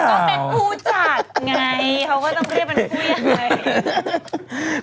ก็เป็นผู้จัดไงเขาก็ต้องเรียกเป็นผู้ใหญ่